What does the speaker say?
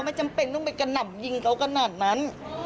จำเป็นต้องไปกระหน่ำยิงเขาขนาดนั้น